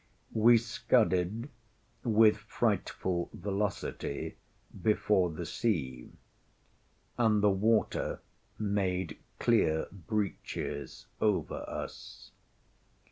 We scudded with frightful velocity before the sea, and the water made clear breaches over us.